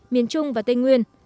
miền trung và tây nguyên